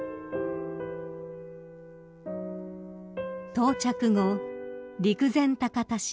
［到着後陸前高田市へ］